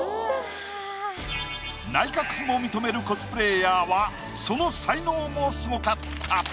内閣府も認めるコスプレイヤーはその才能もすごかった。